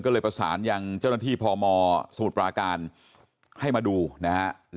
ก็เลยประสานยังเจ้าหน้าที่พมสมุทรปราการให้มาดูนะฮะ